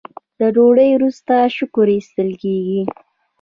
د ډوډۍ وروسته شکر ایستل کیږي.